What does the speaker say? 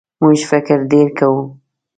موږ فکر ډېر کوو.